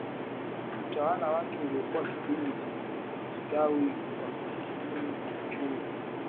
utawala wake ulikuwa kipindi cha kustawi kwa utamaduni na uchumi